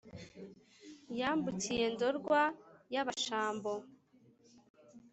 yambukiye ndorwa y’abashambo